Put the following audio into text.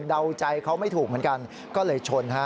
เดาใจเขาไม่ถูกเหมือนกันก็เลยชนฮะ